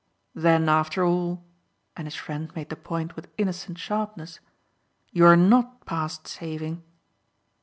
"Then after all" and his friend made the point with innocent sharpness "you're NOT past saving!"